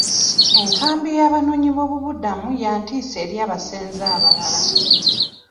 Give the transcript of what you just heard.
Enkambi y'abanoonyiboobubudamu ya ntiisa eri abasenze abalala.